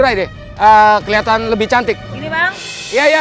mereka pasti akan lihat sisik di kulitku